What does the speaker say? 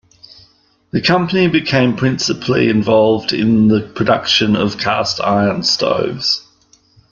The company became principally involved in the production of cast iron stoves.